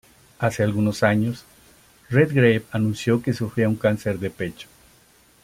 Hace algunos años, Redgrave anunció que sufría un cáncer de pecho.